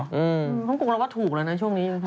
ฮ่องกงเราว่าถูกแล้วนะช่วงนี้